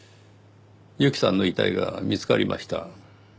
由季さんの遺体が見つかりました。